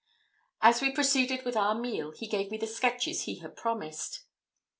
As we proceeded with our meal, he gave me the sketches he had promised.